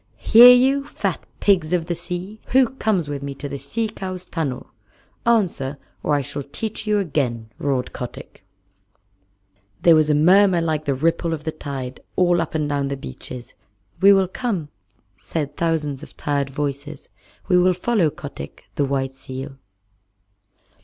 "Hear you, fat pigs of the sea. Who comes with me to the Sea Cow's tunnel? Answer, or I shall teach you again," roared Kotick. There was a murmur like the ripple of the tide all up and down the beaches. "We will come," said thousands of tired voices. "We will follow Kotick, the White Seal."